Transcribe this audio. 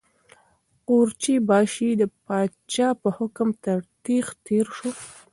قورچي باشي د پادشاه په حکم تر تېغ تېر شو.